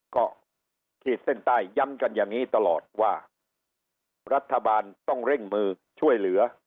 ก็ขีดเส้นใต้ย้ำกันอย่างนี้ตลอดว่ารัฐบาลต้องเร่งมือช่วยเหลือ